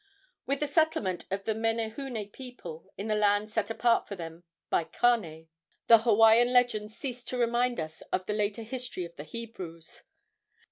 With the settlement of the Menehune people in the land set apart for them by Kane, the Hawaiian legends cease to remind us of the later history of the Hebrews.